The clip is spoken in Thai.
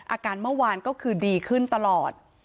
อาการเมื่อวานก็คือดีขึ้นตลอด